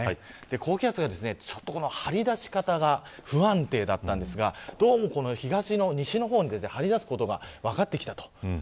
高気圧の張り出し方が不安定だったんですがどうも西の方に張り出すことが分かってきた。